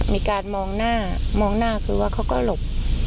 มีการมองหน้ามองหน้าคือว่าเขาก็หลบ